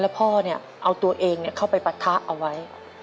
พ่อเอาตัวเองเข้าไปปะทะเอาไว้